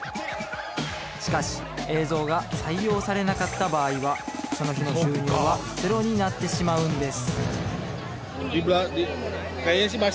しかし映像が採用されなかった場合はその日の収入はゼロになってしまうんです